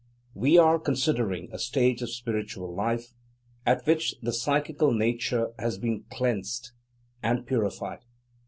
We are considering a stage of spiritual life at which the psychical nature has been cleansed and purified.